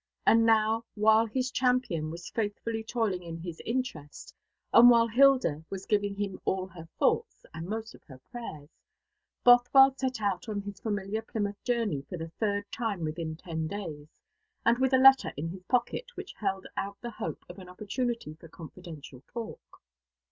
And now, while his champion was faithfully toiling in his interest, and while Hilda was giving him all her thoughts, and most of her prayers, Bothwell set out on his familiar Plymouth journey for the third time within ten days, and with a letter in his pocket which held out the hope of an opportunity for confidential talk.